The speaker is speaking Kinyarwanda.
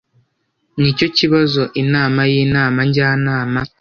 n icyo kibazo inama y inama njyanama